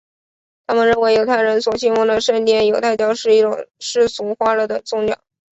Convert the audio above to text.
他们认为犹太人所信奉的圣殿犹太教是一种世俗化了的宗教。